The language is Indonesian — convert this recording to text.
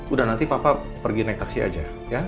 udah nanti papa pergi naik taksi aja